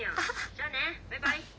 ☎じゃあねバイバイ。